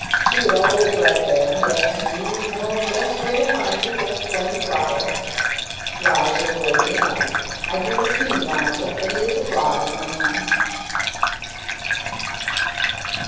She was always right there; yes, you knew just where to find her like a plain flower. 'Lijah's worthy enough; I do esteem 'Lijah, but he's a ploddin' man."